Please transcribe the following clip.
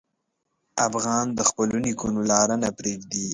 افغان د خپلو نیکونو لار نه پرېږدي.